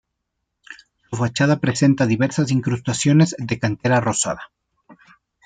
Su fachada presenta diversas incrustaciones de cantera rosada.